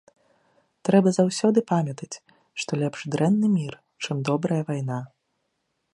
Трэба заўсёды памятаць, што лепш дрэнны мір, чым добрая вайна.